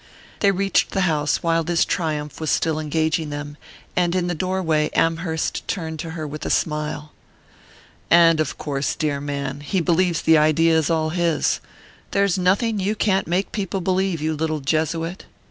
They reached the house while this triumph was still engaging them; and in the doorway Amherst turned to her with a smile. "And of course dear man! he believes the idea is all his. There's nothing you can't make people believe, you little Jesuit!"